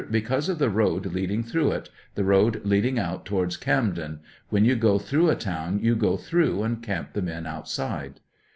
Because of the road leading through it — ^the road leading out towards Camden ; when you go through a town you go through, and camp the men outside.